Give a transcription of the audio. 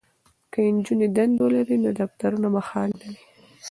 که نجونې دندې ولري نو دفترونه به خالي نه وي.